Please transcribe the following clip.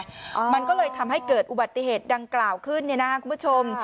มันก็เลยทำให้เกิดอุบัติเหตุดังกล่าวขึ้นคุณผู้ชม